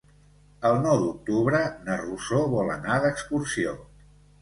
El nou d'octubre na Rosó vol anar d'excursió.